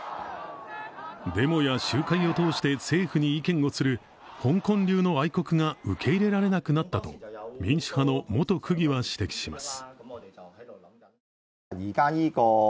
デモや集会を通して、政府に意見をする香港流の愛国が受け入れられなくなったと民主派の元区議は指摘します。